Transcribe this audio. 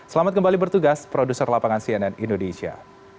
selamat kembali bertugas produser lapangan cnn indonesia